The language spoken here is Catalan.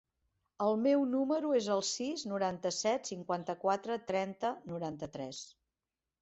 El meu número es el sis, noranta-set, cinquanta-quatre, trenta, noranta-tres.